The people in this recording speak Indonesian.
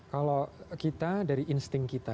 kalau kita dari insting kita